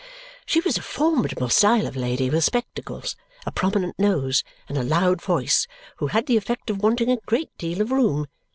She was a formidable style of lady with spectacles, a prominent nose, and a loud voice, who had the effect of wanting a great deal of room.